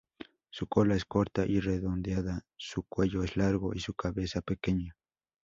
Su cola es corta y redondeada, su cuello es largo y su cabeza pequeña.